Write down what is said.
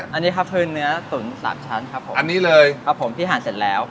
อันนี้ครับคือเนื้อตุ๋นสามชั้นครับผมอันนี้เลยครับผมที่หั่นเสร็จแล้ว